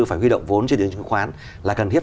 phải ghi động vốn trên tiếng chứng khoán là cần thiết